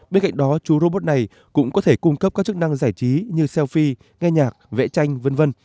bên cạnh đó chú robot này cũng có thể cung cấp các chức năng giải trí như xeo phi nghe nhạc vẽ tranh v v